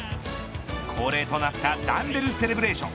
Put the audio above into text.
恒例となったダンベルセレブレーション。